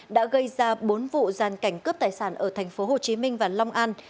đã gây ra bốn vụ giàn cảnh cướp tài sản ở tp hồ chí minh và long an